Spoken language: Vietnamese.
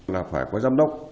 là phải có giám đốc